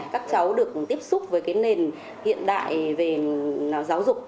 các cháu được tiếp xúc với cái nền hiện đại về giáo dục